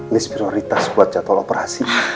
list prioritas buat jadwal operasi